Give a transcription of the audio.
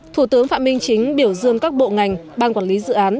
thủ tướng phạm minh chính biểu dương các bộ ngành ban quản lý dự án